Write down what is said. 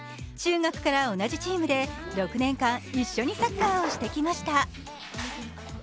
中学から同じチームで６年間、一緒にサッカーをしてきました。